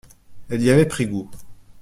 Elle y avait pris goût.